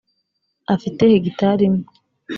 afite hegitari imwe.